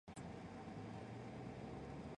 以应图谶。